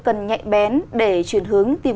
cần nhạy bén để chuyển hướng tìm